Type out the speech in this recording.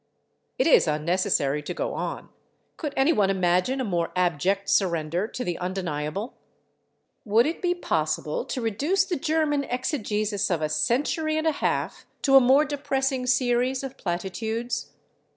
It is unnecessary to go on. Could any one imagine a more abject surrender to the undeniable? Would it be possible to reduce the German exegesis of a century and a half to a more depressing series of platitudes?